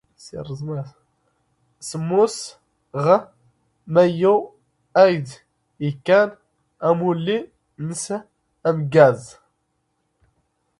ⵙⵎⵎⵓⵙ ⵖ ⵎⴰⵢⵢⵓ ⴰⵢⴷ ⵉⴳⴰⵏ ⴰⵎⵓⵍⵍⵉ ⵏⵏⵙ ⴰⵎⴳⴳⴰⵣ.